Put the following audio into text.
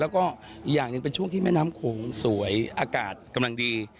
แล้วก็อีกอย่างหนึ่งเป็นช่วงที่แม่น้ำโขงสวยอากาศกำลังดี